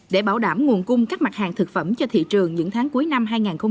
để bảo đảm nguồn cung các mặt hàng thực phẩm cho thị trường những tháng cuối năm hai nghìn hai mươi